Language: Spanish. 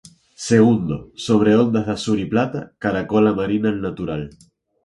Segundo, sobre ondas de azur y plata, caracola marina al natural.